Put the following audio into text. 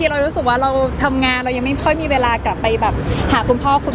ลูกหลานไว้ก่อน